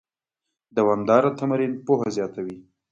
دوامداره تمرین پوهه زیاتوي.